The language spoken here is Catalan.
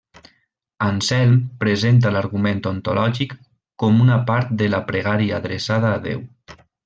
Anselm presenta l'argument ontològic com una part de la pregària adreçada a Déu.